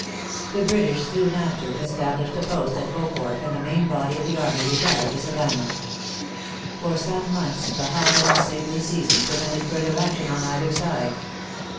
The British soon after established a post at Beaufort, and the main body of the army retired to Savannah. For some months the hot and sickly season prevented further action on either side.